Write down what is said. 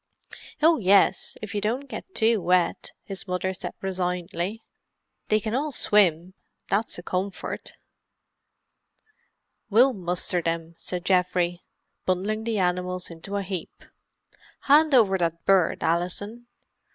"Oh, yes, if you don't get too wet," his mother said resignedly. "They can all swim, that's a comfort. "We'll muster them," said Geoffrey, bundling the animals into a heap. "Hand over that bird, Alison.